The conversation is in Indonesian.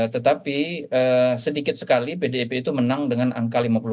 tetapi sedikit sekali pdip itu menang dengan angka lima puluh empat